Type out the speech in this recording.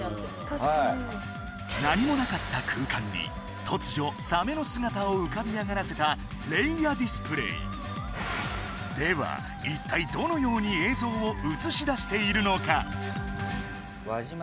確かに何もなかった空間に突如サメの姿を浮かび上がらせたレイアディスプレイでは一体どのように映像を映し出しているのか？